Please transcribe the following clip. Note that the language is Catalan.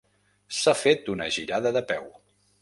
S'ha fet una girada de peu.